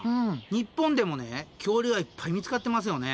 日本でもね恐竜がいっぱい見つかってますよね。